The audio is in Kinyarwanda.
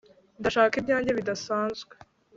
ndashaka ibyanjye bidasanzwe